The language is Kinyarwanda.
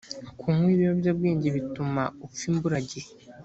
kunywa ibiyobyabwenge bituma upfa imburagihe